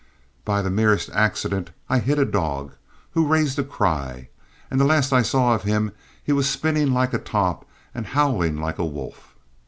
By the merest accident I hit a dog, who raised a cry, and the last I saw of him he was spinning like a top and howling like a wolf.